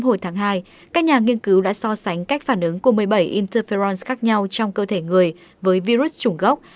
hồi tháng hai các nhà nghiên cứu đã so sánh cách phản ứng của một mươi bảy interfiront khác nhau trong cơ thể người với virus chủng gốc